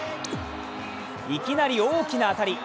いきなり大きな当たり。